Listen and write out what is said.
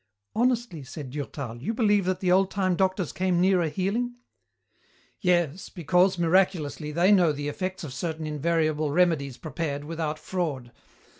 "Honestly," said Durtal, "you believe that the old time doctors came nearer healing?" "Yes, because, miraculously, they know the effects of certain invariable remedies prepared without fraud.